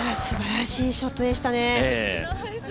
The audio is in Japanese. すばらしいショットでしたね。